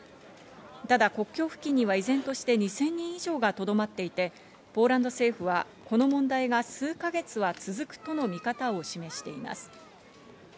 ただ国境付近には依然として２０００人以上がとどまっていて、ポーランド政府はこの問題が数か月は続くとの見方を示しています。